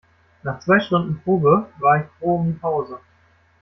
Nach zwei Stunden Probe, war ich froh um die Pause.